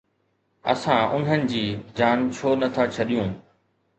اسان انهن جي جان ڇو نه ٿا ڇڏيون؟